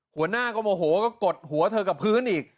หัวหน้าก็โมโหก็กดหัวเธอกับพื้นอีก